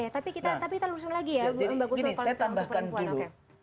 tapi kita lurusin lagi ya mbak gusno kalau misalnya untuk pertanyaan ini